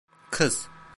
Kız.